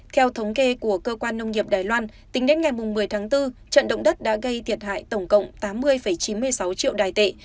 theo thống kê của cơ quan nông nghiệp đài loan tính đến ngày một mươi tháng bốn trận động đất đã gây thiệt hại tổng cộng tám mươi chín mươi sáu triệu đài tệ